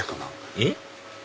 えっ？